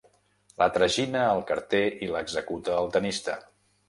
La tragina el carter i l'executa el tennista.